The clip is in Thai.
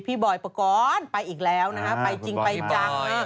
บอยปกรณ์ไปอีกแล้วนะฮะไปจริงไปจัง